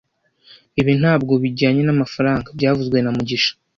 Ibi ntabwo bijyanye n'amafaranga byavuzwe na mugisha